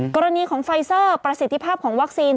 กรณีของไฟเซอร์ประสิทธิภาพของวัคซีน